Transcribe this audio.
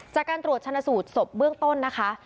จากการตรวจชนะสูตรศพเบื้องต้นนะคะ